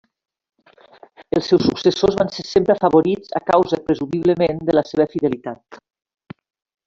Els seus successors van ser sempre afavorits a causa presumiblement de la seva fidelitat.